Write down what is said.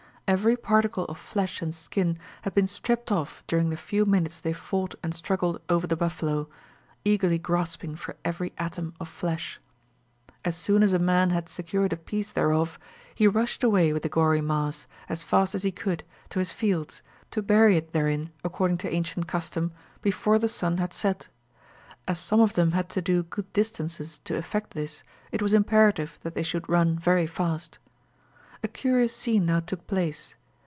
Every particle of flesh and skin had been stripped off during the few minutes they fought and struggled over the buffalo, eagerly grasping for every atom of flesh. As soon as a man had secured a piece thereof, he rushed away with the gory mass, as fast as he could, to his fields, to bury it therein according to ancient custom, before the sun had set. As some of them had to do good distances to effect this, it was imperative that they should run very fast. A curious scene now took place.